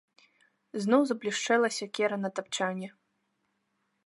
Зноў заблішчэла сякера на тапчане.